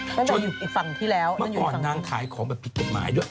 คุณจะต้องรู้จักเจเล็ง